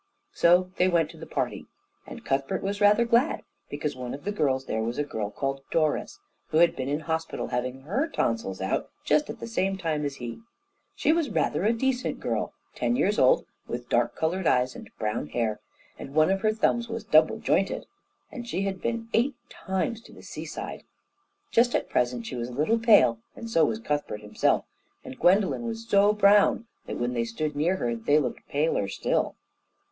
So they went to the party, and Cuthbert was rather glad, because one of the girls there was a girl called Doris, who had been in hospital having her tonsils out just at the same time as he. She was rather a decent girl, ten years old, with dark coloured eyes and brown hair, and one of her thumbs was double jointed, and she had been eight times to the seaside. Just at present she was a little pale, and so was Cuthbert himself; and Gwendolen was so brown that, when they stood near her, they looked paler still.